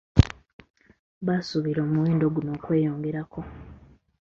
Basuubira omuwendo guno okweyongerako.